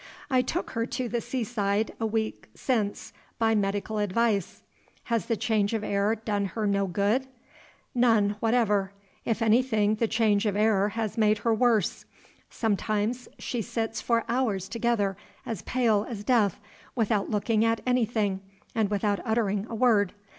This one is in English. "I took her to the sea side a week since by medical advice." "Has the change of air don e her no good?" "None whatever. If anything, the change of air has made her worse. Sometimes she sits for hours together, as pale as death, without looking at anything, and without uttering a word.